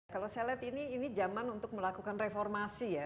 kalau saya lihat ini zaman untuk melakukan reformasi ya